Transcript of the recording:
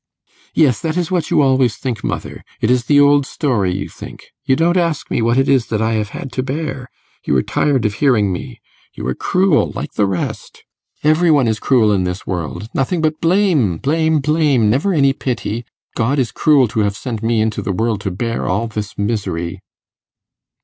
'Yes, that is what you always think, mother. It is the old story, you think. You don't ask me what it is I have had to bear. You are tired of hearing me. You are cruel, like the rest; every one is cruel in this world. Nothing but blame blame blame; never any pity. God is cruel to have sent me into the world to bear all this misery.